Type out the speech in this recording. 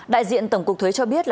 đại diện tổng cục thuế cho biết